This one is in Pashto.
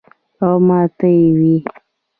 او ماته ئې وې ـ "